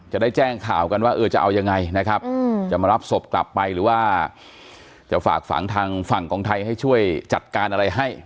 จะได้แจ้งข่าวกันว่าเออจะเอายังไงนะครับจะมารับศพกลับไปหรือว่าจะฝากฝังทางฝั่งของไทยให้ช่วยจัดการอะไรให้